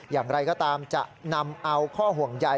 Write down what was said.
อย่างไรก็ตามจะนำเอาข้อห่วงใย